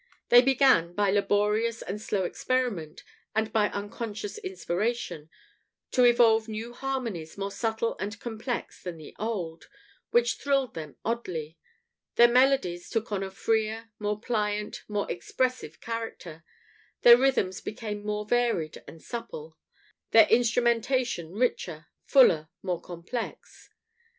They began, by laborious and slow experiment, and by unconscious inspiration, to evolve new harmonies, more subtle and complex than the old, which thrilled them oddly; their melodies took on a freer, more pliant, more expressive character; their rhythms became more varied and supple, their instrumentation richer, fuller, more complex.